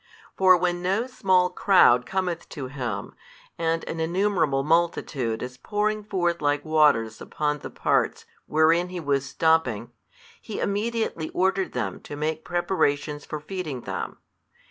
For when no small crowd cometh to Him, and an innumerable multitude is pouring forth like waters upon the parts, wherein He was stopping, He immediately ordered them to make preparations for feeding them.